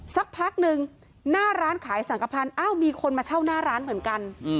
สักพักหนึ่งหน้าร้านขายสังขพันธ์อ้าวมีคนมาเช่าหน้าร้านเหมือนกัน